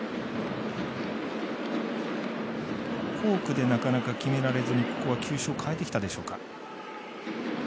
フォークでなかなか決められずに球種を変えてきたでしょうか。